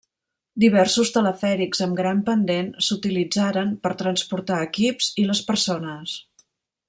Diversos telefèrics amb gran pendent s'utilitzaren per transportar equips i les persones.